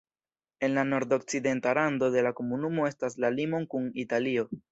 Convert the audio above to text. En la nordokcidenta rando de la komunumo estas la limon kun Italio.